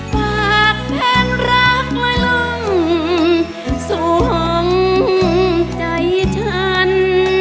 ภากเพ้อนรักไม่ลงส่วงใจฉัน